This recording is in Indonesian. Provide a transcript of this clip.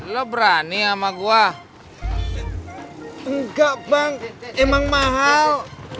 lo berani sama gue enggak bang emang mahal